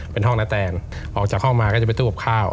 เป็นห้องนาแตนออกจากห้องมาก็จะไปตู้กับข้าว